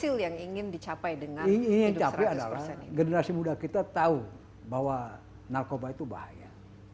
hasil yang ingin dicapai dengan generasi muda kita tahu bahwa narkoba itu bahaya